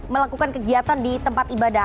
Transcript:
melakukan kegiatan di tempat ibadah